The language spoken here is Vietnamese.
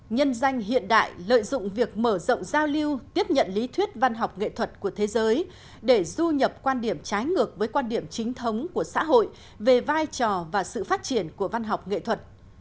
nhân danh hiện đại lợi dụng việc mở rộng giao lưu tiếp nhận lý thuyết văn học nghệ thuật của thế giới để du nhập quan điểm trái ngược với quan điểm chính thống của xã hội về vai trò và sự phát triển của văn học nghệ thuật